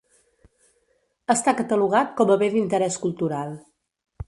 Està catalogat com a Bé d'interès cultural.